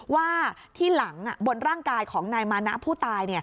ว่าที่หลังบนร่างกายของนายมานะผู้ตาย